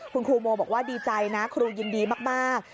คุณครูโมบอกว่าดีใจนะครูยินดีมาก